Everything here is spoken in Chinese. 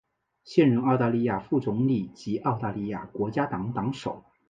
现任澳大利亚副总理及澳大利亚国家党党首。